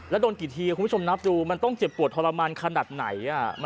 แล้วโดนกี่ทีคุณผู้ชมนับดูมันต้องเจ็บปวดทรมานขนาดไหน